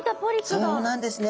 そうなんですね。